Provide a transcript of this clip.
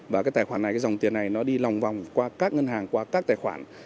và tài khoản này dòng tiền này đi lòng vòng qua các ngân hàng qua các tài khoản